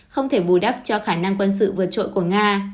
không thể bù đắp cho khả năng quân sự vượt trội của nga